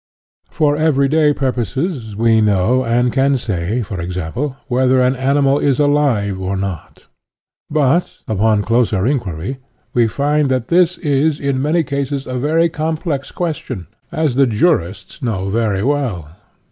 For everyday purposes we know and can say e. g., whether an animal is alive or not. But, upon closer inquiry, we find that this is, in many cases, a very complex question, as the jurists know very well.